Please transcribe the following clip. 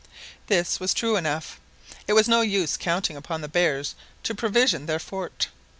This was true enough. It was no use counting upon the bears to provision their fort.